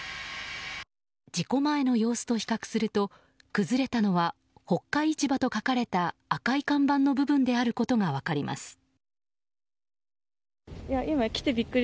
事故前の様子と比較すると崩れたのは「北海市場」と書かれた赤い看板の部分であることが分かります。